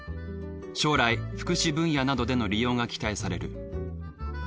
将来福祉分野などでの利用が期待される。